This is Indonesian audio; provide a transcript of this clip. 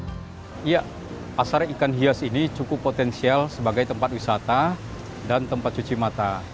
sejak tahun dua ribu pasaran ikan hias ini cukup potensial sebagai tempat wisata dan tempat cuci mata